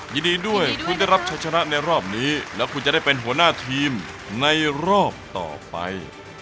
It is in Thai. ยินดีด้วยคุณได้รับชัยชนะในรอบนี้แล้วคุณจะได้เป็นหัวหน้าทีมในรอบต่อไป